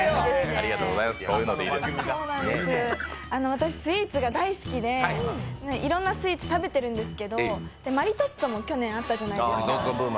私スイーツが大好きでいろんなスイーツを食べてるんですけど、マリトッツォ、去年あったじゃないですか。